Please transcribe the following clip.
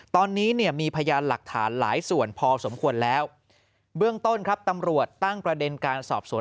ตอนนี้เนี่ยมีพยานหลักฐานหลายส่วนพอสมควรแล้วเบื้องต้นครับตำรวจตั้งประเด็นการสอบสวน